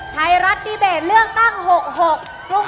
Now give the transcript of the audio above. สวัสดีครับ